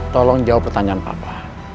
tolong jawab pertanyaan papa